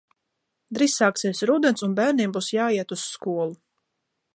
Drīz sāksies rudens un bērniem būs jāiet uz skolu.